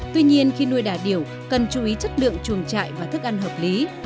tuy nhiên khi nuôi đà điểu cần chú ý chất lượng chuồng trại và thức ăn hợp lý